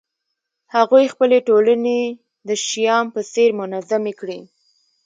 هغوی خپلې ټولنې د شیام په څېر منظمې کړې